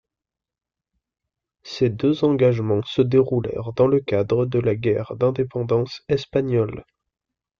Ces deux engagements se déroulèrent dans le cadre de la guerre d'indépendance espagnole.